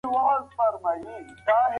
د پیازو ټاکل یوه مهمه پروسه ده.